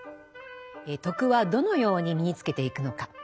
「徳」はどのように身につけていくのか。